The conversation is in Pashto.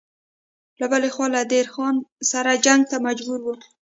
له بلې خوا له دیر خان سره جنګ ته مجبور و.